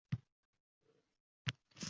— Tushunaman, o‘rtoq rais, tushunaman.